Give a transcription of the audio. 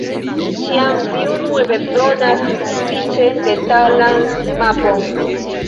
Ĉiam vi unue bezonas sufiĉe detalan mapon.